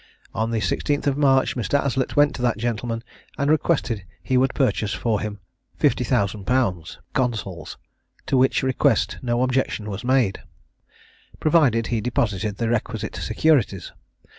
On the 16th of March, Mr. Aslett went to that gentleman, and requested he would purchase for him 50,000_l._ Consols, to which request no objection was made, provided he deposited the requisite securities.